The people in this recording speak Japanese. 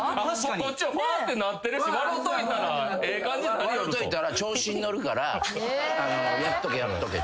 こっちはふぁーっとなってるし笑といたらええ感じになると。笑といたら調子に乗るからやっとけやっとけと。